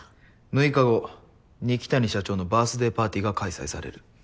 ６日後二木谷社長のバースデーパーティーが開催される。